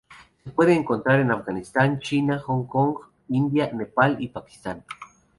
Se puede encontrar en Afganistán, China, Hong Kong, India, Nepal y Pakistán.